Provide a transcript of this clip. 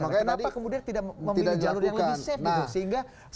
kenapa kemudian tidak memilih jalur yang lebih safe